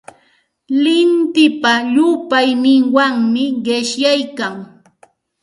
Lintipa llupayninwanmi qishyaykan.